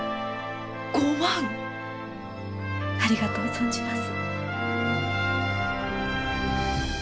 ありがとう存じます。